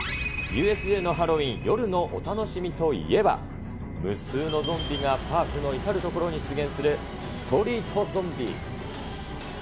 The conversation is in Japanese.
夜のお楽しみといえば、無数のゾンビがパークの至る所に出現するストリートゾンビ。